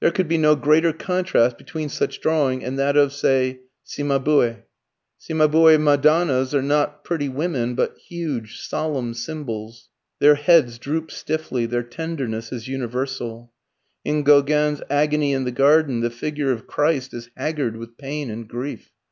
There could be no greater contrast between such drawing and that of say Cimabue. Cimabue's Madonnas are not pretty women, but huge, solemn symbols. Their heads droop stiffly; their tenderness is universal. In Gauguin's "Agony in the Garden" the figure of Christ is haggard with pain and grief.